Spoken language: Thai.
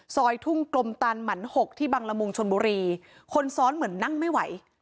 ทุ่งกลมตันหมันหกที่บังละมุงชนบุรีคนซ้อนเหมือนนั่งไม่ไหว